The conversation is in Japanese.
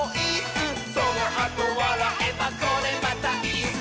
「そのあとわらえばこれまたイス！」